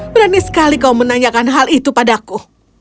berani sekali kau menanyakan hal itu padaku